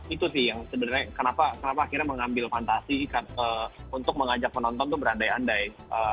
itu sih yang sebenarnya kenapa akhirnya mengambil fantasi untuk mengajak penonton tuh berandai andai